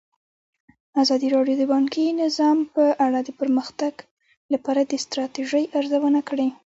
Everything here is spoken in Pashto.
ازادي راډیو د بانکي نظام په اړه د پرمختګ لپاره د ستراتیژۍ ارزونه کړې.